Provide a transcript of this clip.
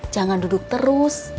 jangan duduk terus